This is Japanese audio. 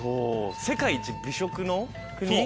世界一美食の国？